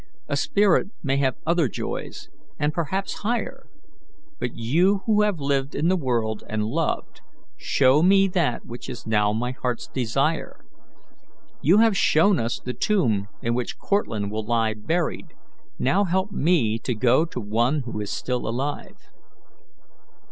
A spirit may have other joys, and perhaps higher; but you who have lived in the world and loved, show me that which is now my heart's desire. You have shown us the tomb in which Cortlandt will lie buried; now help me to go to one who is still alive."